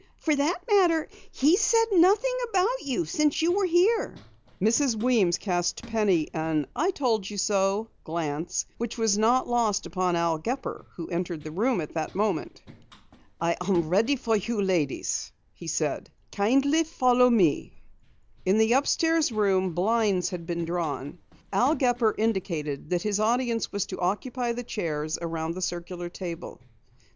For that matter, he's said nothing about you since you were here." Mrs. Weems cast Penny an "I told you so" glance which was not lost upon Al Gepper who entered the room at that moment. "I am ready for you, ladies," he said. "Kindly follow me." In the upstairs room blinds had been drawn. Al Gepper indicated that his audience was to occupy the chairs around the circular table.